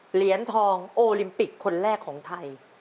เหรียญทองโอลิมปิกคนแรกของไทย